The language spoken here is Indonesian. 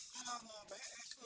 kalau mau ps